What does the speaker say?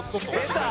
出た！